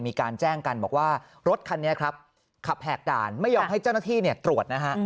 มีการแจ้งกันบอกว่ารถคันนี้ครับขับแหกด่านไม่ยอมให้เจ้าหน้าที่ตรวจนะฮะ